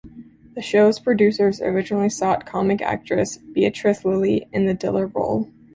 The show's producers originally sought comic actress Beatrice Lillie in the Diller role.